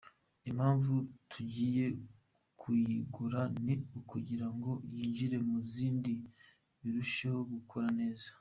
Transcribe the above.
Impamvu tugiye kuyigura ni ukugira ngo yinjire mu zindi birusheho gukora neza.